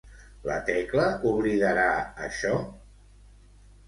La Tecla oblidarà això?